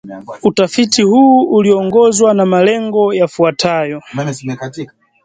Utafiti huu uliongozwa na malengo yafuatayo